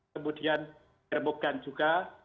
kemudian remugan juga